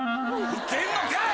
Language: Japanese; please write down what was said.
吹けんのかい！